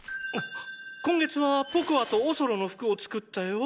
今月はポコアとおそろの服を作ったよ！